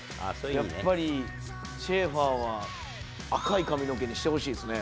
やっぱりシェーファーは赤い髪の毛にしてほしいですね。